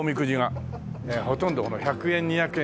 ほとんど１００円２００円